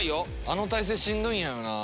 あの体勢しんどいやろな。